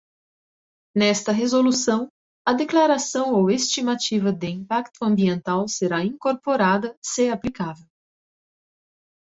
Nesta resolução, a declaração ou estimativa de impacto ambiental será incorporada, se aplicável.